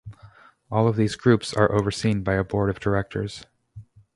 All of these groups are overseen by a board of directors.